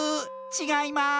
ちがいます！